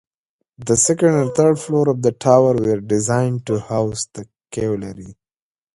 The second and third floors of the towers were designed to house the cavalry.